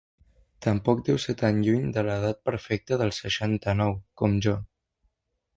Tampoc deu ser tan lluny de l'edat perfecta dels seixanta-nou, com jo.